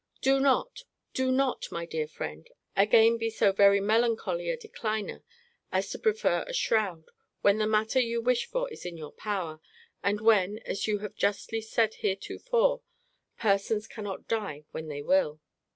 Do not, do not, my dear friend, again be so very melancholy a decliner as to prefer a shroud, when the matter you wish for is in your power; and when, as you have justly said heretofore, persons cannot die when they will.